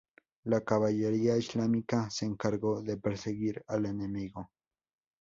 La caballería islámica se encargó de perseguir al enemigo.